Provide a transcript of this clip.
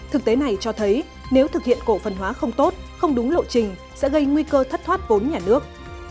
thực tế này cho thấy nếu thực hiện cổ phần hóa không tốt không đúng lộ trình sẽ gây nguy cơ thất thoát vốn nhà nước